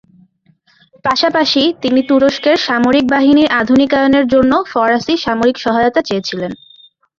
পাশাপাশি তিনি তুরস্কের সামরিক বাহিনীর আধুনিকায়নের জন্য ফরাসি সামরিক সহায়তা চেয়েছিলেন।